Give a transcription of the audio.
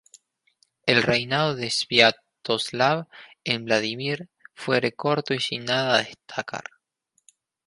El reinado de Sviatoslav en Vladímir fuere corto y sin nada a destacar.